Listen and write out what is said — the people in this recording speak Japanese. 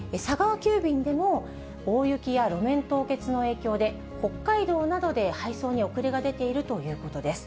急便でも、大雪や路面凍結の影響で、北海道などで配送に遅れが出ているということです。